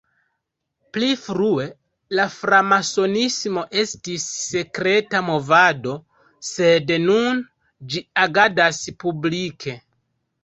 Pli frue la framasonismo estis sekreta movado, sed nun ĝi agadas publike.